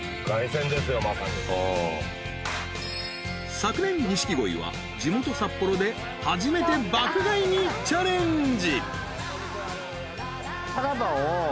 ［昨年錦鯉は地元札幌で初めて爆買いにチャレンジ］